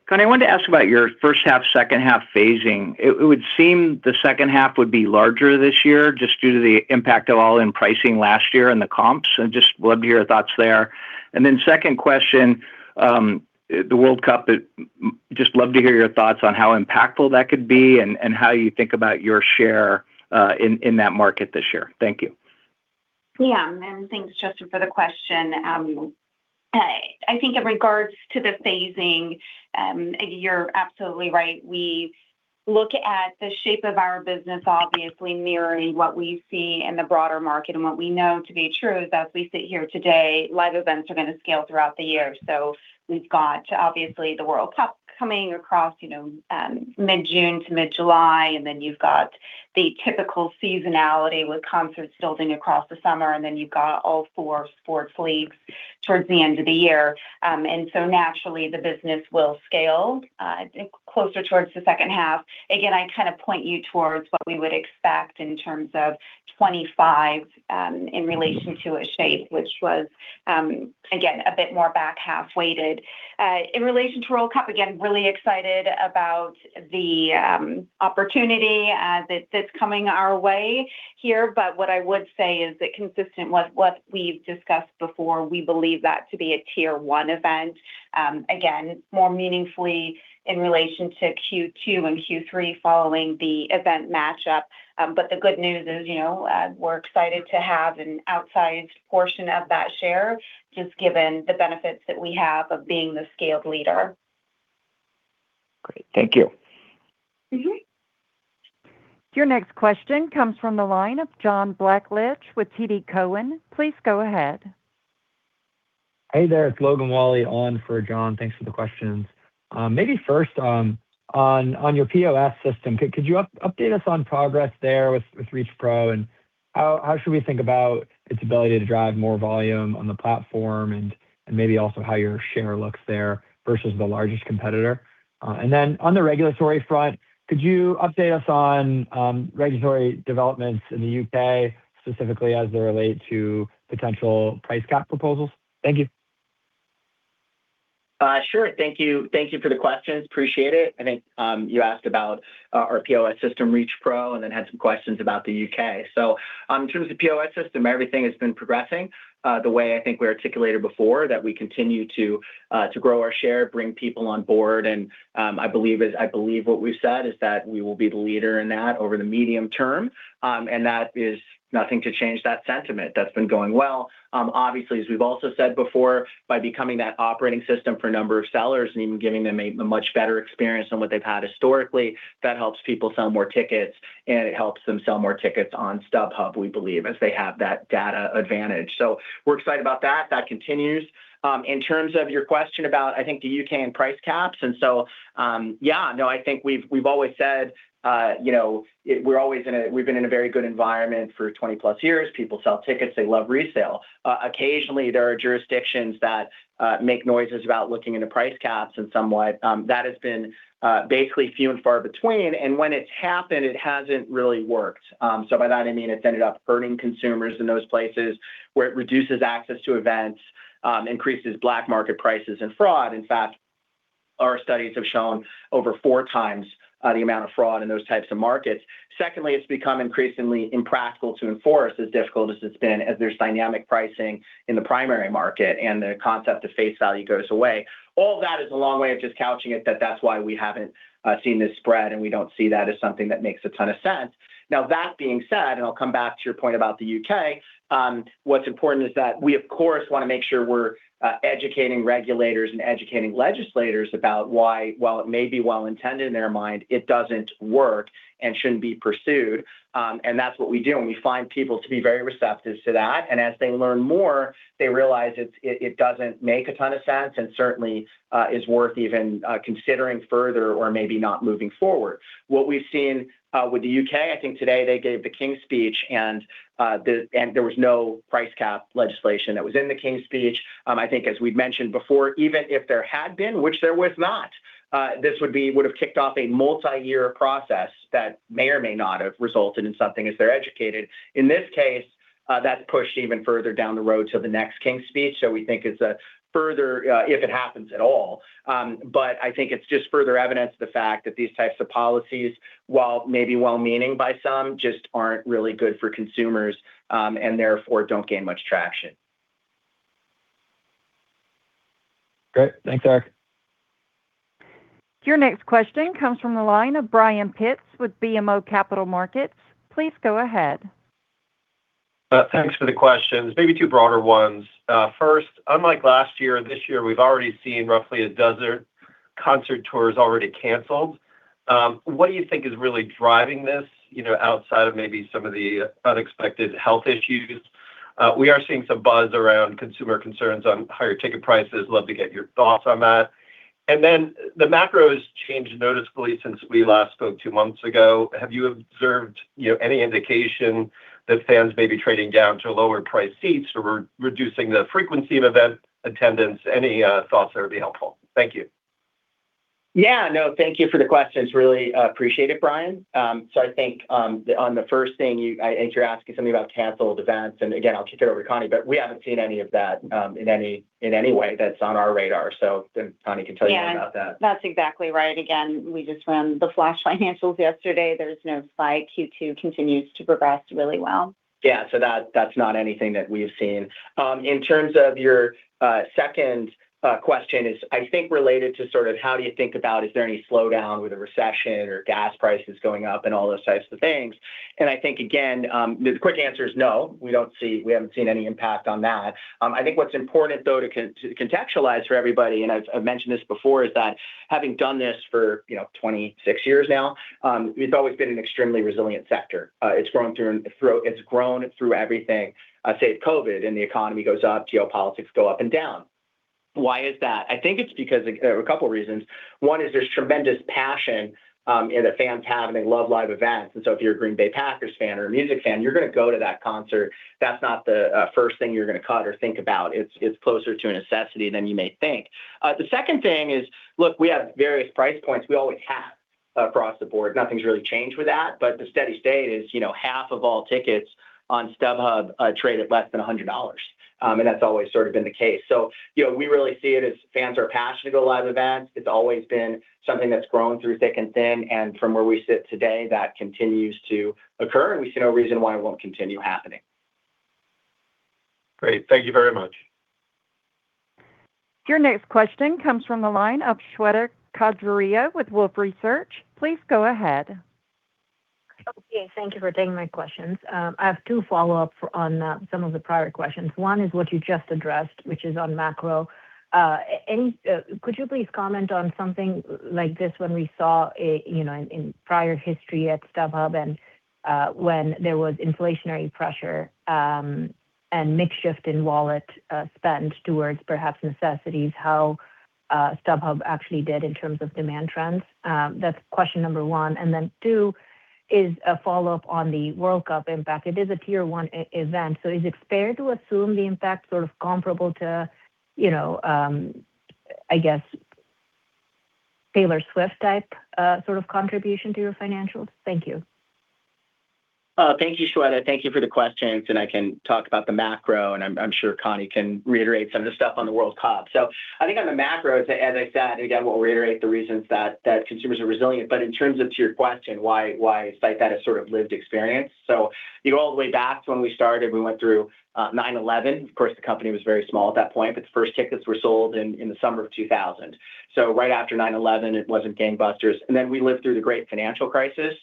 Speaker 8: Connie, I wanted to ask about your first half, second half phasing. It would seem the second half would be larger this year just due to the impact of all-in pricing last year and the comps, and just would love to hear your thoughts there. Second question, the World Cup, just love to hear your thoughts on how impactful that could be and how you think about your share in that market this year. Thank you.
Speaker 4: Thanks Justin for the question. I think in regards to the phasing, you're absolutely right. We look at the shape of our business, obviously mirroring what we see in the broader market. What we know to be true is as we sit here today, live events are gonna scale throughout the year. We've got obviously the World Cup coming across, mid-June to mid-July, and then you've got the typical seasonality with concerts building across the summer, and then you've got all four sports leagues towards the end of the year. Naturally the business will scale closer towards the second half. Again, I kind of point you towards what we would expect in terms of 25 in relation to a shape which was again, a bit more back half weighted. In relation to World Cup, again, really excited about the opportunity that's coming our way here. What I would say is that consistent what we've discussed before, we believe that to be a tier one event, again, more meaningfully in relation to Q2 and Q3 following the event matchup. The good news is, you know, we're excited to have an outsized portion of that share, just given the benefits that we have of being the scaled leader.
Speaker 8: Great. Thank you.
Speaker 1: Your next question comes from the line of John Blackledge with TD Cowen. Please go ahead.
Speaker 9: Hey there, it's Logan Whalley on for John. Thanks for the questions. Maybe first, on your POS system, could you update us on progress there with ReachPro, and how should we think about its ability to drive more volume on the platform and maybe also how your share looks there versus the largest competitor? On the regulatory front, could you update us on regulatory developments in the U.K., specifically as they relate to potential price cap proposals? Thank you.
Speaker 3: Sure. Thank you. Thank you for the questions. Appreciate it. I think, you asked about our POS system, ReachPro, and then had some questions about the U.K. In terms of POS system, everything has been progressing the way I think we articulated before, that we continue to grow our share, bring people on board. I believe what we've said is that we will be the leader in that over the medium term. That is nothing to change that sentiment. That's been going well. Obviously, as we've also said before, by becoming that operating system for a number of sellers and even giving them a much better experience than what they've had historically, that helps people sell more tickets, and it helps them sell more tickets on StubHub, we believe, as they have that data advantage. We're excited about that. That continues. In terms of your question about, I think, the U.K. and price caps, I think we've always said, you know, we're always in a very good environment for 20+ years. People sell tickets. They love resale. Occasionally, there are jurisdictions that make noises about looking into price caps and somewhat, that has been basically few and far between. When it's happened, it hasn't really worked. By that I mean it's ended up hurting consumers in those places where it reduces access to events, increases black market prices and fraud. In fact, our studies have shown over 4x the amount of fraud in those types of markets. Secondly, it's become increasingly impractical to enforce as difficult as it's been, as there's dynamic pricing in the primary market and the concept of face value goes away. All that is a long way of just couching it that that's why we haven't seen this spread, and we don't see that as something that makes a ton of sense. That being said, I'll come back to your point about the U.K., what's important is that we, of course, wanna make sure we're educating regulators and educating legislators about why, while it may be well-intended in their mind, it doesn't work and shouldn't be pursued. That's what we do, and we find people to be very receptive to that. As they learn more, they realize it doesn't make a ton of sense and certainly is worth even considering further or maybe not moving forward. What we've seen with the U.K., I think today they gave the King's Speech and there was no price cap legislation that was in the King's Speech. I think as we've mentioned before, even if there had been, which there was not, this would have kicked off a multi-year process that may or may not have resulted in something as they're educated. In this case, that's pushed even further down the road to the next King's Speech. We think it's a further, if it happens at all. I think it's just further evidence of the fact that these types of policies, while maybe well-meaning by some, just aren't really good for consumers, and therefore don't gain much traction.
Speaker 9: Great. Thanks, Eric.
Speaker 1: Your next question comes from the line of Brian Pitz with BMO Capital Markets. Please go ahead.
Speaker 10: Thanks for the questions. Maybe two broader ones. First, unlike last year and this year, we've already seen roughly a dozen concert tours already canceled. What do you think is really driving this, you know, outside of maybe some of the unexpected health issues? We are seeing some buzz around consumer concerns on higher ticket prices. Love to get your thoughts on that. The macro has changed noticeably since we last spoke two months ago. Have you observed, you know, any indication that fans may be trading down to lower priced seats or re-reducing the frequency of event attendance? Any thoughts there would be helpful. Thank you.
Speaker 3: Yeah. No, thank you for the questions. Really appreciate it, Brian. I think, on the first thing I think you're asking something about canceled events. Again, I'll kick it over to Connie, but we haven't seen any of that in any way that's on our radar. Connie can tell you about that.
Speaker 4: Yeah. That's exactly right. Again, we just ran the flash financials yesterday. There's no spike. Q2 continues to progress really well.
Speaker 3: That, that's not anything that we've seen. In terms of your second question is, I think, related to sort of how do you think about is there any slowdown with a recession or gas prices going up and all those types of things. I think, again, the quick answer is no. We haven't seen any impact on that. I think what's important, though, to contextualize for everybody, and I've mentioned this before, is that having done this for, you know, 26 years now, it's always been an extremely resilient sector. It's grown through everything, say, COVID, and the economy goes up, geopolitics go up and down. Why is that? I think it's because a couple reasons. One is there's tremendous passion in the fans. They love live events. If you're a Green Bay Packers fan or a music fan, you're gonna go to that concert. That's not the first thing you're gonna cut or think about. It's closer to a necessity than you may think. The second thing is we have various price points we always have across the board. Nothing's really changed with that. The steady state is, you know, half of all tickets on StubHub trade at less than $100. That's always sort of been the case. You know, we really see it as fans are passionate about live events. It's always been something that's grown through thick and thin. From where we sit today, that continues to occur, and we see no reason why it won't continue happening.
Speaker 10: Great. Thank you very much.
Speaker 1: Your next question comes from the line of Shweta Khajuria with Wolfe Research. Please go ahead.
Speaker 11: Okay. Thank you for taking my questions. I have two follow-up on some of the prior questions. One is what you just addressed, which is on macro. Could you please comment on something like this when we saw a, you know, in prior history at StubHub and when there was inflationary pressure and mix shift in wallet spend towards perhaps necessities, how StubHub actually did in terms of demand trends? That's question number one. Two is a follow-up on the World Cup impact. It is a tier one event. Is it fair to assume the impact sort of comparable to, you know, I guess Taylor Swift type sort of contribution to your financials? Thank you
Speaker 3: Thank you, Shweta. Thank you for the questions. I can talk about the macro, and I'm sure Connie can reiterate some of the stuff on the World Cup. I think on the macro, as I said, again, we'll reiterate the reasons that consumers are resilient. In terms of to your question, why cite that as sort of lived experience. You go all the way back to when we started. We went through 9/11. Of course, the company was very small at that point, but the first tickets were sold in the summer of 2000. Right after 9/11, it wasn't gangbusters. We lived through the great financial crisis,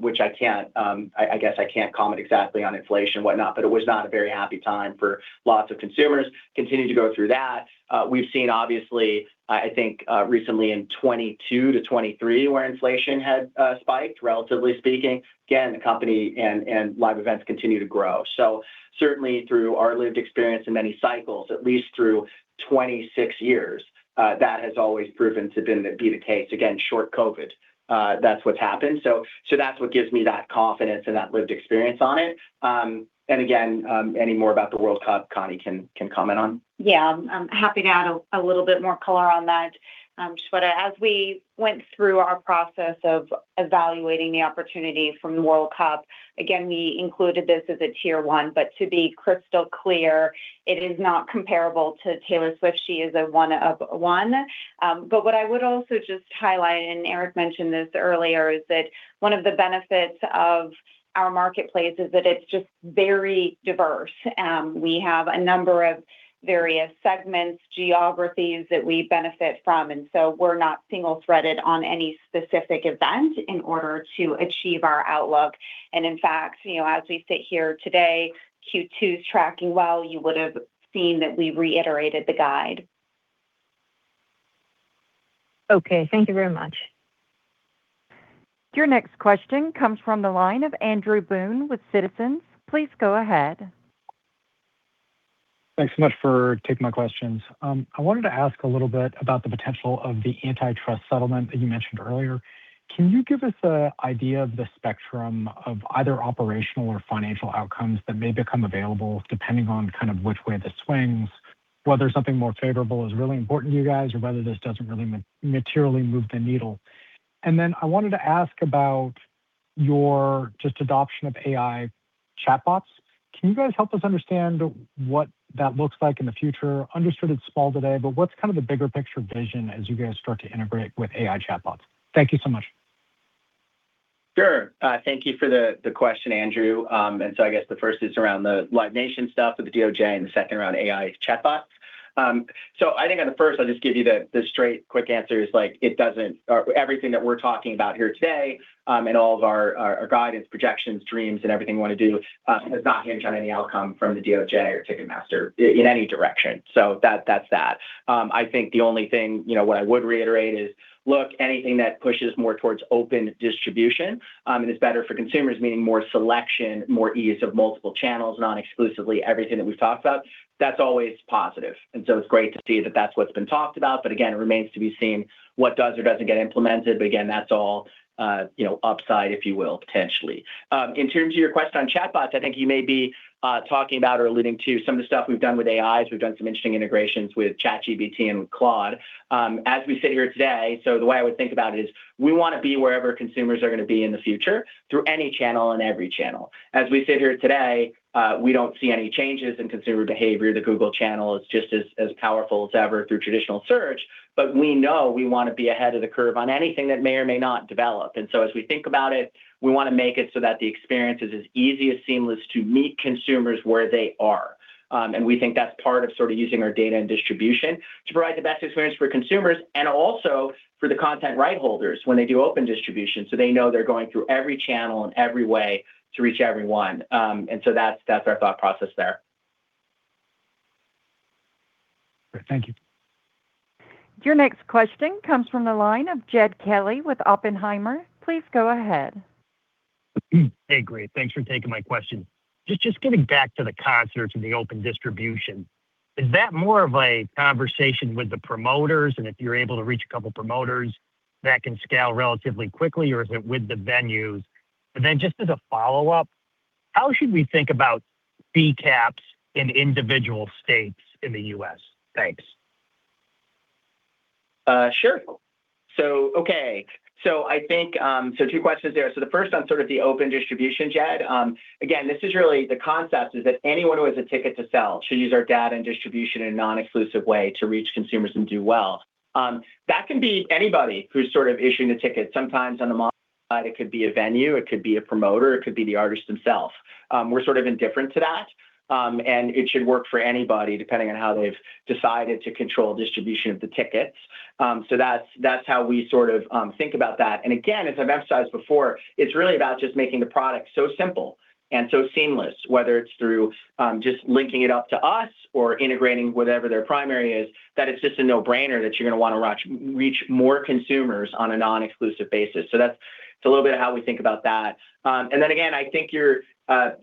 Speaker 3: which I can't, I guess I can't comment exactly on inflation, whatnot, but it was not a very happy time for lots of consumers. Continued to go through that. we've seen obviously, I think, recently in 2022 to 2023, where inflation had spiked, relatively speaking, again, the company and live events continue to grow. certainly through our lived experience in many cycles, at least through 26 years, that has always proven to been be the case. Again, short COVID, that's what's happened. that's what gives me that confidence and that lived experience on it. any more about the World Cup, Connie can comment on.
Speaker 4: Yeah, I'm happy to add a little bit more color on that. Shweta, as we went through our process of evaluating the opportunity from the World Cup, again, we included this as a tier one. To be crystal clear, it is not comparable to Taylor Swift. She is a one of one. What I would also just highlight, and Eric mentioned this earlier, is that 1 of the benefits of our marketplace is that it's just very diverse. We have a number of various segments, geographies that we benefit from, and so we're not single-threaded on any specific event in order to achieve our outlook. In fact, you know, as we sit here today, Q2's tracking well. You would have seen that we reiterated the guide.
Speaker 11: Okay. Thank you very much.
Speaker 1: Your next question comes from the line of Andrew Boone with Citizens. Please go ahead.
Speaker 12: Thanks so much for taking my questions. I wanted to ask a little bit about the potential of the antitrust settlement that you mentioned earlier. Can you give us a idea of the spectrum of either operational or financial outcomes that may become available depending on kind of which way this swings, whether something more favorable is really important to you guys, or whether this doesn't really materially move the needle. Then I wanted to ask about your just adoption of AI chatbots. Can you guys help us understand what that looks like in the future? Understood it's small today, but what's kind of the bigger picture vision as you guys start to integrate with AI chatbots? Thank you so much.
Speaker 3: Sure. Thank you for the question, Andrew. I guess the first is around the Live Nation stuff with the DOJ and the second around AI chatbots. I think on the first, I'll just give you the straight quick answer is everything that we're talking about here today, and all of our guidance, projections, dreams, and everything we want to do, is not hinged on any outcome from the DOJ or Ticketmaster in any direction. That's that. I think the only thing, you know, what I would reiterate is, look, anything that pushes more towards Open Distribution, and is better for consumers, meaning more selection, more ease of multiple channels, non-exclusively, everything that we've talked about, that's always positive. It's great to see that that's what's been talked about. Again, it remains to be seen what does or doesn't get implemented. Again, that's all, you know, upside, if you will, potentially. In terms of your question on chatbots, I think you may be talking about or alluding to some of the stuff we've done with AIs. We've done some interesting integrations with ChatGPT and with Claude. As we sit here today, the way I would think about it is we wanna be wherever consumers are gonna be in the future through any channel and every channel. As we sit here today, we don't see any changes in consumer behavior. The Google channel is just as powerful as ever through traditional search. We know we wanna be ahead of the curve on anything that may or may not develop. As we think about it, we wanna make it so that the experience is as easy and seamless to meet consumers where they are. We think that's part of sort of using our data and distribution to provide the best experience for consumers and also for the content right holders when they do Open Distribution, so they know they're going through every channel and every way to reach everyone. That's our thought process there.
Speaker 12: Great. Thank you.
Speaker 1: Your next question comes from the line of Jed Kelly with Oppenheimer. Please go ahead.
Speaker 13: Hey, great. Thanks for taking my question. Just getting back to the concerts and the Open Distribution, is that more of a conversation with the promoters and if you're able to reach a couple promoters that can scale relatively quickly, or is it with the venues? Just as a follow-up, how should we think about fee caps in individual states in the U.S.? Thanks.
Speaker 3: Sure. Okay. I think two questions there. The first on sort of the Open Distribution, Jed. Again, this is really the concept is that anyone who has a ticket to sell should use our data and distribution in a non-exclusive way to reach consumers and do well. That can be anybody who's sort of issuing a ticket. Sometimes on the side, it could be a venue, it could be a promoter, it could be the artist themselves. We're sort of indifferent to that. It should work for anybody depending on how they've decided to control distribution of the tickets. That's, that's how we sort of think about that. Again, as I've emphasized before, it's really about just making the product so simple and so seamless, whether it's through just linking it up to us or integrating whatever their primary is, that it's just a no-brainer that you're gonna wanna reach more consumers on a non-exclusive basis. That's, it's a little bit of how we think about that. Then again, I think you're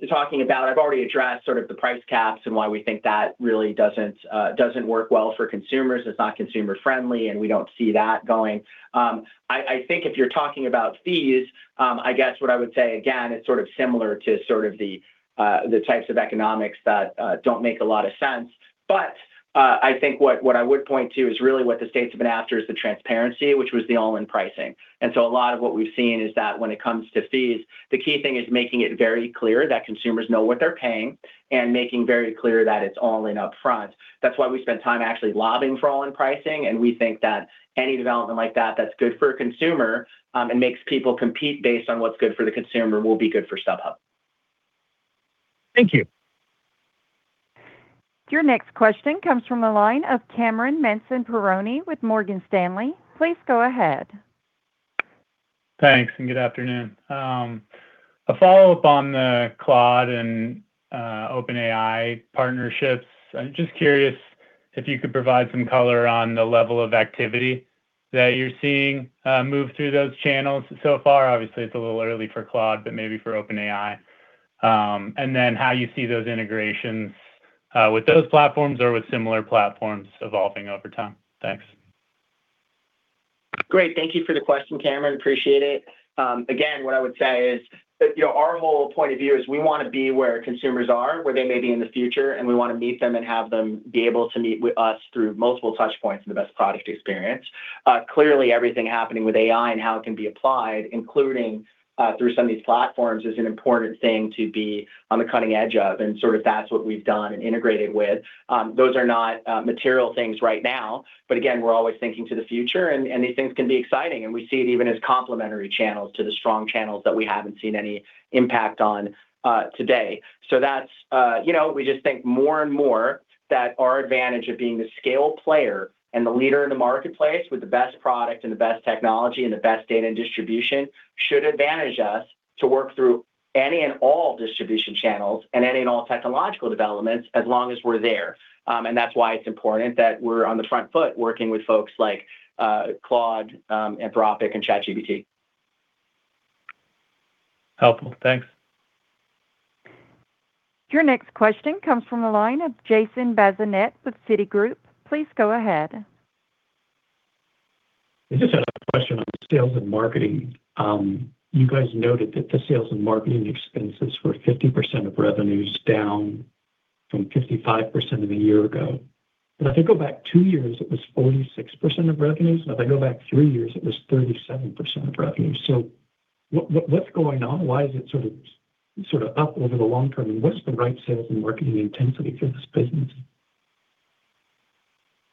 Speaker 3: talking about, I've already addressed sort of the price caps and why we think that really doesn't work well for consumers. It's not consumer friendly, and we don't see that going. I think if you're talking about fees, I guess what I would say again, it's sort of similar to sort of the types of economics that don't make a lot of sense. I think what I would point to is really what the states have been after is the transparency, which was the all-in pricing. A lot of what we've seen is that when it comes to fees, the key thing is making it very clear that consumers know what they're paying and making very clear that it's all in upfront. That's why we spend time actually lobbying for all-in pricing, and we think that any development like that that's good for a consumer, and makes people compete based on what's good for the consumer will be good for StubHub.
Speaker 13: Thank you.
Speaker 1: Your next question comes from the line of Cameron Mansson-Perrone with Morgan Stanley. Please go ahead.
Speaker 14: Thanks. Good afternoon. A follow-up on the Claude and OpenAI partnerships. I'm just curious if you could provide some color on the level of activity that you're seeing move through those channels so far. Obviously, it's a little early for Claude, but maybe for OpenAI. How you see those integrations with those platforms or with similar platforms evolving over time. Thanks.
Speaker 3: Great. Thank you for the question, Cameron. Appreciate it. Again, what I would say is that, you know, our whole point of view is we wanna be where consumers are, where they may be in the future, and we wanna meet them and have them be able to meet with us through multiple touch points and the best product experience. Clearly everything happening with AI and how it can be applied, including through some of these platforms, is an important thing to be on the cutting edge of, and sort of that's what we've done and integrated with. Those are not material things right now, but again, we're always thinking to the future and these things can be exciting, and we see it even as complementary channels to the strong channels that we haven't seen any impact on today. That's, you know, we just think more and more that our advantage of being the scale player and the leader in the marketplace with the best product and the best technology and the best data and distribution should advantage us to work through any and all distribution channels and any and all technological developments as long as we're there. That's why it's important that we're on the front foot working with folks like Claude, Anthropic and ChatGPT.
Speaker 14: Helpful. Thanks.
Speaker 1: Your next question comes from the line of Jason Bazinet with Citigroup. Please go ahead.
Speaker 15: This is a question on sales and marketing. You guys noted that the sales and marketing expenses were 50% of revenues down from 55% of a year ago. If I go back two years, it was 46% of revenues. If I go back three years, it was 37% of revenues. What's going on? Why is it sort of up over the long term? What is the right sales and marketing intensity for this business?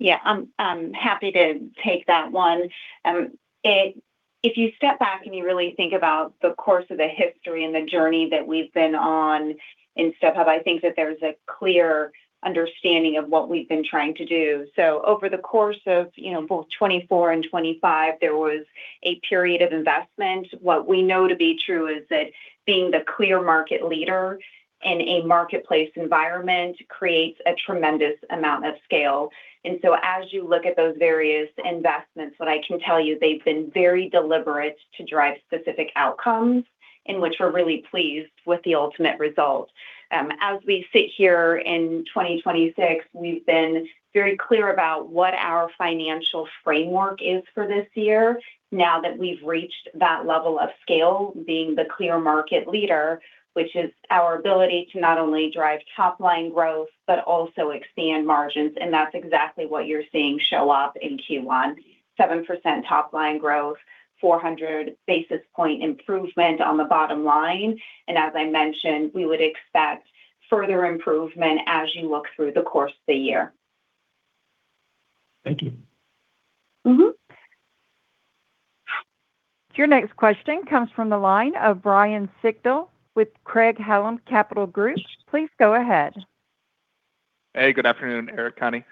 Speaker 4: Yeah, I'm happy to take that one. If you step back and you really think about the course of the history and the journey that we've been on in StubHub, I think that there's a clear understanding of what we've been trying to do. Over the course of, you know, both 2024 and 2025, there was a period of investment. What we know to be true is that being the clear market leader in a marketplace environment creates a tremendous amount of scale. As you look at those various investments, what I can tell you, they've been very deliberate to drive specific outcomes in which we're really pleased with the ultimate result. As we sit here in 2026, we've been very clear about what our financial framework is for this year now that we've reached that level of scale being the clear market leader, which is our ability to not only drive top-line growth, but also expand margins, and that's exactly what you're seeing show up in Q1. 7% top-line growth, 400 basis point improvement on the bottom line, and as I mentioned, we would expect further improvement as you look through the course of the year.
Speaker 15: Thank you.
Speaker 1: Your next question comes from the line of Ryan Sigdahl with Craig-Hallum Capital Group. Please go ahead.
Speaker 16: Hey, good afternoon, Eric, Connie.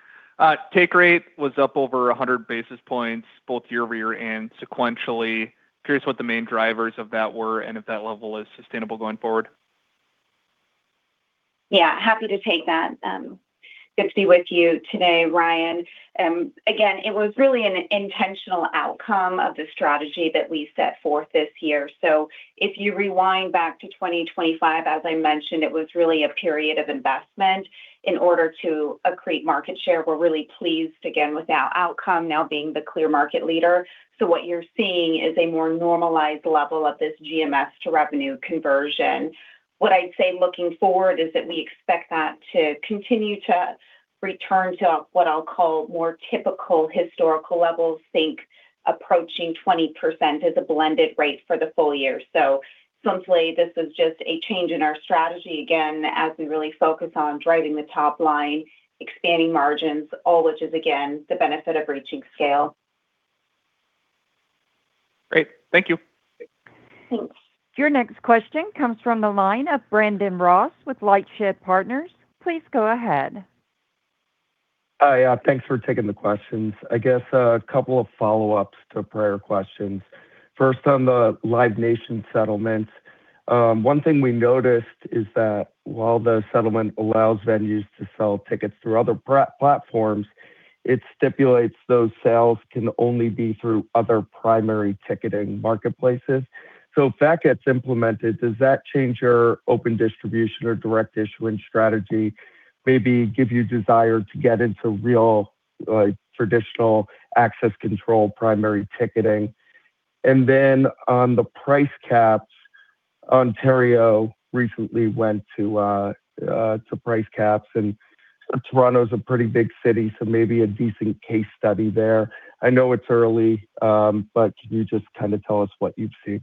Speaker 16: Take rate was up over 100 basis points both year-over-year and sequentially. Curious what the main drivers of that were and if that level is sustainable going forward?
Speaker 4: Yeah, happy to take that, good to be with you today, Ryan. Again, it was really an intentional outcome of the strategy that we set forth this year. If you rewind back to 2025, as I mentioned, it was really a period of investment in order to accrete market share. We're really pleased again with our outcome now being the clear market leader. What you're seeing is a more normalized level of this GMS to revenue conversion. What I'd say looking forward is that we expect that to continue to return to what I'll call more typical historical levels, think approaching 20% as a blended rate for the full year. Simply, this is just a change in our strategy again as we really focus on driving the top-line, expanding margins, all which is again, the benefit of reaching scale.
Speaker 16: Great. Thank you.
Speaker 4: Thanks.
Speaker 1: Your next question comes from the line of Brandon Ross with LightShed Partners. Please go ahead.
Speaker 17: Hi. Thanks for taking the questions. I guess a couple of follow-ups to prior questions. First, on the Live Nation settlement, one thing we noticed is that while the settlement allows venues to sell tickets through other platforms, it stipulates those sales can only be through other primary ticketing marketplaces. If that gets implemented, does that change your Open Distribution or Direct Issuance strategy, maybe give you desire to get into real, like, traditional access control primary ticketing? Then on the price caps, Ontario recently went to price caps, and Toronto's a pretty big city, so maybe a decent case study there. I know it's early, but can you just kind of tell us what you've seen?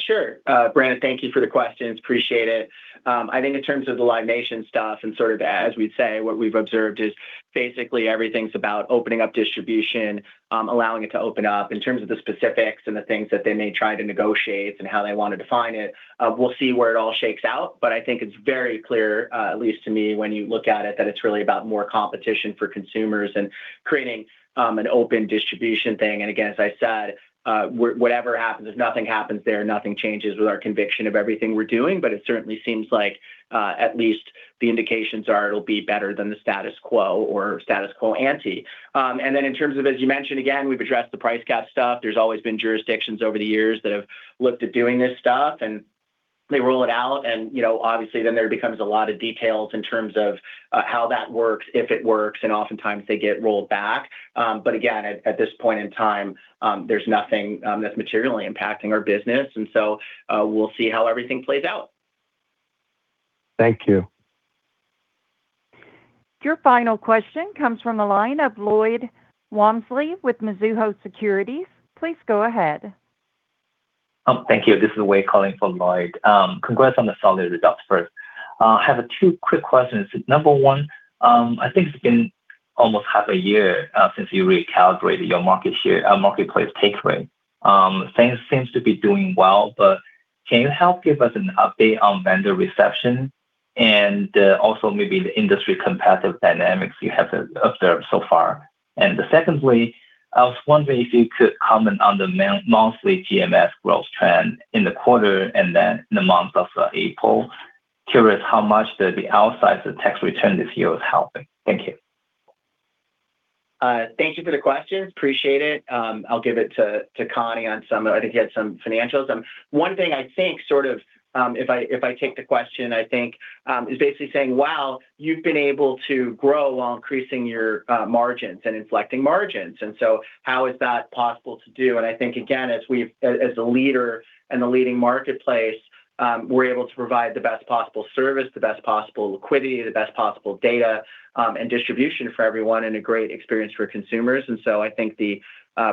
Speaker 3: Sure. Brandon, thank you for the questions. Appreciate it. I think in terms of the Live Nation stuff and sort of as we'd say, what we've observed is basically everything's about opening up distribution, allowing it to open up. In terms of the specifics and the things that they may try to negotiate and how they want to define it, we'll see where it all shakes out. I think it's very clear, at least to me, when you look at it, that it's really about more competition for consumers and creating an open distribution thing. Again, as I said, whatever happens, if nothing happens there, nothing changes with our conviction of everything we're doing, but it certainly seems like, at least the indications are it'll be better than the status quo or status quo ante. Then in terms of, as you mentioned, again, we've addressed the price cap stuff. There's always been jurisdictions over the years that have looked at doing this stuff, and they roll it out and, you know, obviously then there becomes a lot of details in terms of how that works, if it works, and oftentimes they get rolled back. Again, at this point in time, there's nothing that's materially impacting our business. So, we'll see how everything plays out.
Speaker 17: Thank you.
Speaker 1: Your final question comes from the line of Lloyd Walmsley with Mizuho Securities. Please go ahead.
Speaker 18: Thank you. This is Wei calling for Lloyd. Congrats on the solid results first. I have two quick questions. Number one, I think it's been almost half a year since you recalibrated your market share, marketplace take rate. Things seems to be doing well, but can you help give us an update on vendor reception and also maybe the industry competitive dynamics you have observed so far? Secondly, I was wondering if you could comment on the monthly GMS growth trend in the quarter and then in the month of April. Curious how much the outsize of tax return this year was helping. Thank you.
Speaker 3: Thank you for the questions. Appreciate it. I'll give it to Connie on some of it. I think [she] had some financials. One thing I think, if I take the question, is basically saying, wow, you've been able to grow while increasing your margins and inflecting margins. How is that possible to do? I think, again, as a leader and a leading marketplace, we're able to provide the best possible service, the best possible liquidity, the best possible data, and distribution for everyone and a great experience for consumers. I think the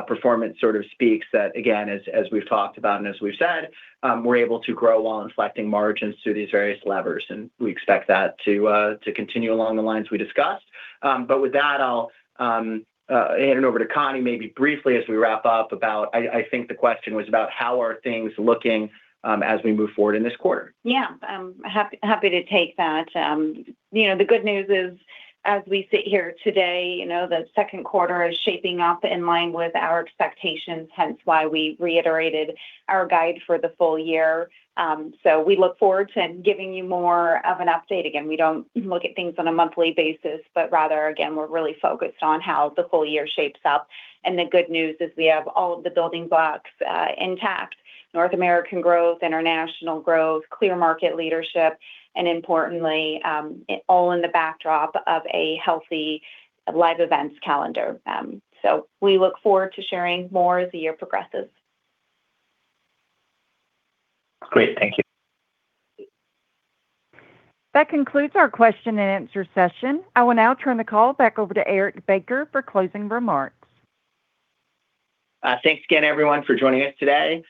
Speaker 3: performance sort of speaks that, again, as we've talked about and as we've said, we're able to grow while inflecting margins through these various levers, and we expect that to continue along the lines we discussed. With that, I'll hand it over to Connie maybe briefly as we wrap up about I think the question was abo ut how are things looking as we move forward in this quarter.
Speaker 4: Yeah. I'm happy to take that. You know, the good news is, as we sit here today, you know, the second quarter is shaping up in line with our expectations, hence why we reiterated our guide for the full year. We look forward to giving you more of an update. Again, we don't look at things on a monthly basis, but rather, again, we're really focused on how the full year shapes up. The good news is we have all of the building blocks intact. North American growth, international growth, clear market leadership, and importantly, all in the backdrop of a healthy live events calendar. We look forward to sharing more as the year progresses.
Speaker 18: Great. Thank you.
Speaker 1: That concludes our question and answer session. I will now turn the call back over to Eric Baker for closing remarks.
Speaker 3: Thanks again, everyone, for joining us today.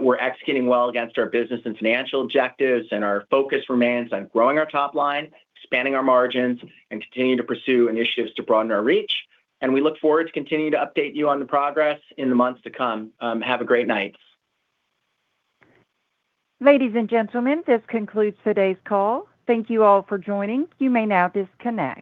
Speaker 3: We're executing well against our business and financial objectives, and our focus remains on growing our top line, expanding our margins, and continuing to pursue initiatives to broaden our reach. We look forward to continuing to update you on the progress in the months to come. Have a great night.
Speaker 1: Ladies and gentlemen, this concludes today's call. Thank you all for joining. You may now disconnect.